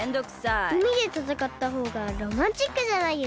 うみでたたかったほうがロマンチックじゃないですか？